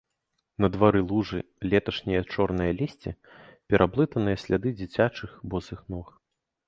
На двары лужы, леташняе чорнае лісце, пераблытаныя сляды дзіцячых босых ног.